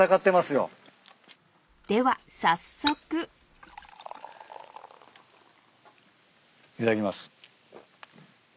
［では早速］いただきます。